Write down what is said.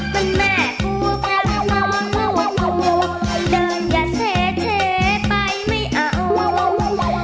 มันแม่กลับมามองว่าปูเดินอย่าเซเชไปไม่เอา